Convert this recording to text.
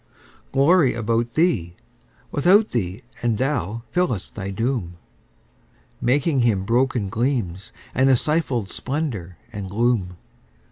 Glory about thee, without thee; and thou fulfillest thy doom, Making Him broken gleams, and a stifled splendour and gloom.